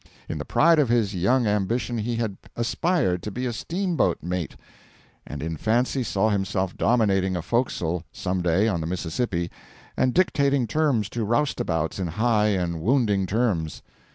In the pride of his young ambition he had aspired to be a steamboat mate; and in fancy saw himself dominating a forecastle some day on the Mississippi and dictating terms to roustabouts in high and wounding terms.